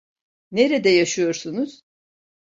Nerede yaşıyorsunuz?